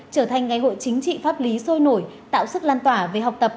trở thành ngày hội chính trị pháp lý sôi nổi tạo sức lan tỏa về học tập